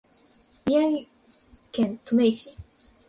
宮城県登米市